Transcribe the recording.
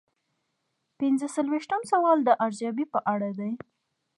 پنځه څلویښتم سوال د ارزیابۍ په اړه دی.